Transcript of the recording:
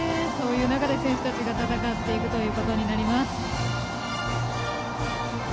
そういう中で選手たちが戦っていくということになります。